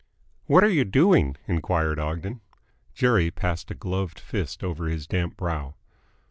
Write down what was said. "What are you doing?" enquired Ogden. Jerry passed a gloved fist over his damp brow.